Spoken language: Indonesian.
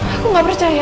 aku gak percaya